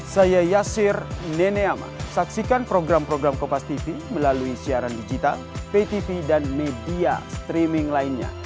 saya yasir neneama saksikan program program kompastv melalui siaran digital ptv dan media streaming lainnya